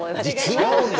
違うんだ。